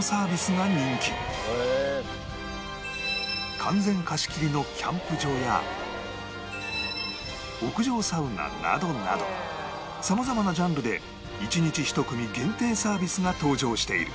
完全貸し切りのキャンプ場や屋上サウナなどなど様々なジャンルで１日１組限定サービスが登場している